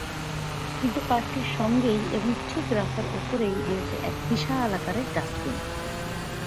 কিন্তু পার্কটির সঙ্গেই এবং ঠিক রাস্তার উপরেই রয়েছে এক বিশাল আকারের ডাস্টবিন।